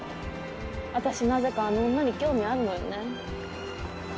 私なぜかあの女に興味あんのよね。